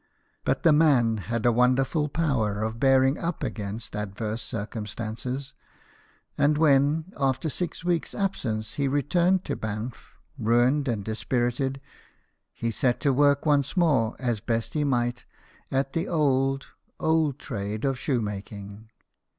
But the man had a wonderful power of bearing up against adverse circumstances ; and when, after six weeks' absence, he returned to Banff, ruined and dispirited, he set to work once more, as best he might, at the old, old trade of shoemaking.